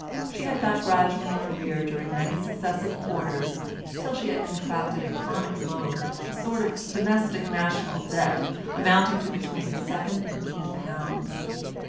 She had got gradually in arrear during many successive quarters, till she had contracted a chronic loan a sort of domestic national debt, amounting to between seven and eight pounds.